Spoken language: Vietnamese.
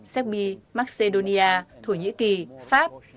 seppi macedonia thổ nhĩ kỳ pháp